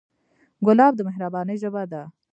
ګلاب د مهربانۍ ژبه ده.